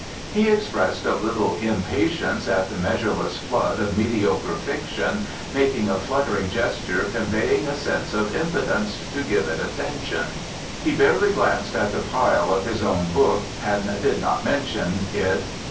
He expressed a little impatience at the measureless flood of mediocre fiction, making a fluttering gesture conveying a sense of impotence to give it attention. He barely glanced at the pile of his own book, and did not mention it.